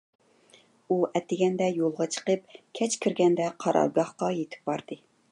ئۇ ئەتىگەندە يولغا چىقىپ، كەچ كىرگەندە قارارگاھقا يېتىپ باردى.